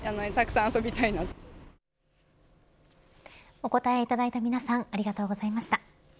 お答えいただいた皆さんありがとうございました。